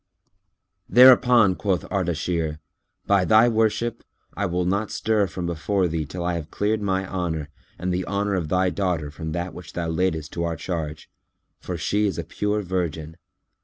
Thereupon quoth Ardashir, "By thy worship, I will not stir from before thee till I have cleared my honour and the honour of thy daughter from that which thou laidest to our charge; for she is a pure virgin.